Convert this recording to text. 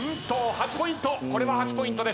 ８ポイント。